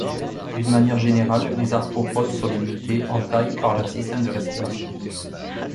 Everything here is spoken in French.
D'une manière générale, les arthropodes sont limités en taille par leur système de respiration.